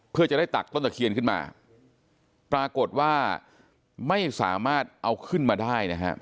เพื่อจะได้ตักต้นตะเคียนขึ้นมาปรากฏว่าไม่สามารถเอาขึ้นมาได้นะครับ